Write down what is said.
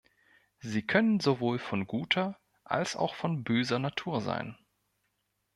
Sie können sowohl von guter als auch von böser Natur sein.